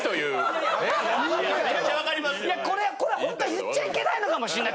これこれホントは言っちゃいけないのかもしんない。